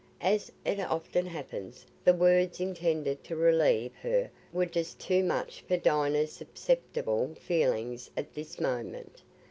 As it often happens, the words intended to relieve her were just too much for Dinah's susceptible feelings at this moment.